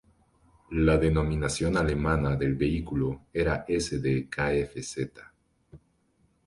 La denominación alemana del vehículo era Sd.Kfz.